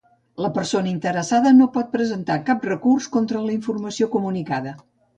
La persona interessada no pot presentar cap recurs contra la informació comunicada.